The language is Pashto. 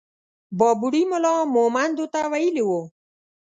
بابړي ملا مهمندو ته ويلي وو.